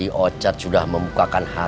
bapak teh mau kemana